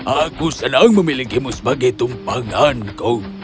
aku senang memilikimu sebagai tumpanganku